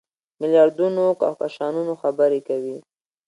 میلیاردونو کهکشانونو خبرې کوي.